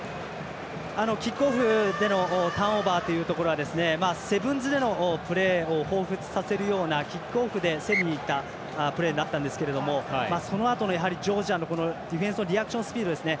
キックオフでのターンオーバーっていうところはセブンズでのプレーをほうふつとさせるようなキックオフで競りにいったプレーになったんですがそのあとの、ジョージアのディフェンスのリアクションスピードですね。